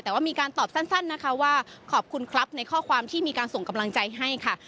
แต่ว่ามีการตอบสั้นนะคะว่าขอบคุณครับในข้อความที่มีการส่งกำลังใจให้ค่ะ